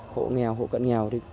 hộ nghèo hộ cận nghèo